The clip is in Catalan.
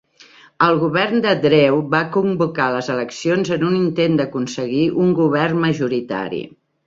El govern de Drew va convocar les eleccions en un intent d'aconseguir un govern majoritari.